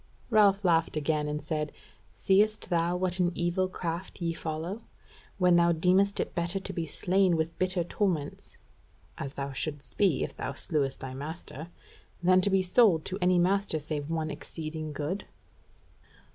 Ralph laughed again, and said: "Seest thou what an evil craft ye follow, when thou deemest it better to be slain with bitter torments (as thou shouldest be if thou slewest thy master) than to be sold to any master save one exceeding good?"